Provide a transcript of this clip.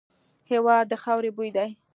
هېواد د خاوري بوی دی.